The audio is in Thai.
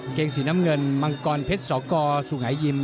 เกงสีน้ำเงินมังกรเพชรสกสุงหายิม